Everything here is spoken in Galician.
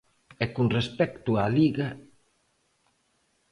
E con respecto á Liga.